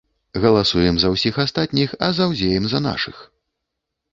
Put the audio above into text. Галасуем за ўсіх астатніх, а заўзеем за нашых.